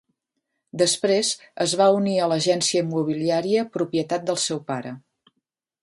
Després, es va unir a l'agència immobiliària propietat del seu pare.